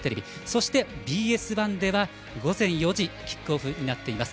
そして、ＢＳ１では午前４時キックオフになっています。